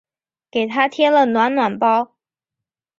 给她贴了暖暖包